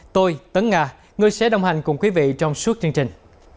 tôi tấn nga người sẽ đồng hành cùng quý vị trong suốt chương trình